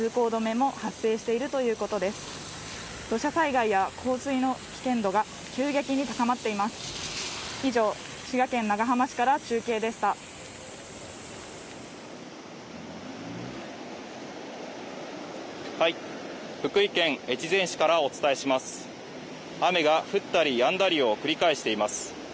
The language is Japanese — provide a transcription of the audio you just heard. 雨が降ったりやんだりを繰り返しています